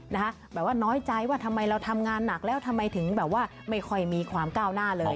คือที่เล่าน้อยใจทำไมเราทำงานหนักแล้วทำไมถึงไม่ค่อยมีความเป็นใจกล้าหน้าเลย